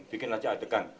bikin aja adegan